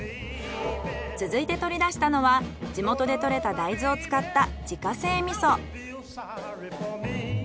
続いて取り出したのは地元でとれた大豆を使った自家製味噌。